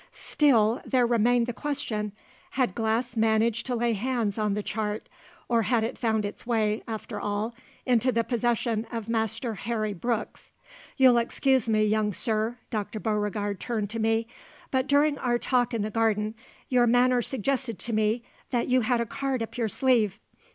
Still, there remained the question: Had Glass managed to lay hands on the chart, or had it found its way, after all, into the possession of Master Harry Brooks? You'll excuse me, young sir" Dr. Beauregard turned to me "but during our talk in the garden, your manner suggested to me that you had a card up your sleeve.